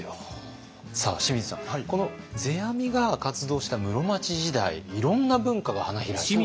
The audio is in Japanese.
この世阿弥が活動した室町時代いろんな文化が花開いた。